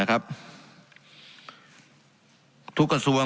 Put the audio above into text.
การปรับปรุงทางพื้นฐานสนามบิน